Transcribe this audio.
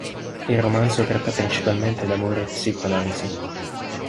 Il romanzo tratta principalmente d'amore e psicoanalisi.